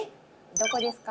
どこですか？